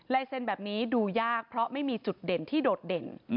เซ็นต์แบบนี้ดูยากเพราะไม่มีจุดเด่นที่โดดเด่น